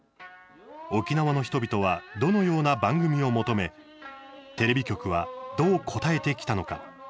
沖縄の人々はどのような番組を求めテレビ局はどう応えてきたのか。